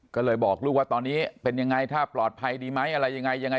ก็เลยบอกลูกว่าตอนนี้เป็นยังไงถ้าปลอดภัยดีไหมอะไรยังไง